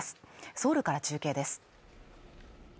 ソウルから中継です。